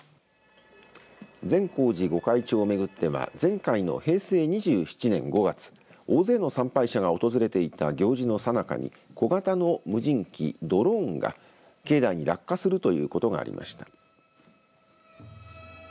善光寺御開帳をめぐっては前回の平成２７年５月大勢の参拝者が訪れていたい行事のさなかに小型の無人機、ドローンが境内に落下するということがありました。